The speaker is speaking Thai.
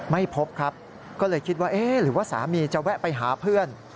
ไม่พบครับก็เลยคิดว่าเอ๊ะหรือว่าสามีจะแวะไปหาเพื่อน